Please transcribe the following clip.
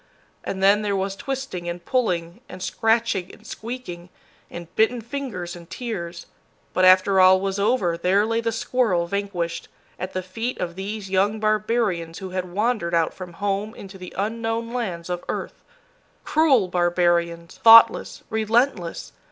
And then there was twisting and pulling, and scratching and squeaking, and bitten fingers and tears; but after all was over, there lay the squirrel vanquished, at the feet of these young barbarians who had wandered out from home into the unknown lands of earth. Cruel barbarians, thoughtless, relentless!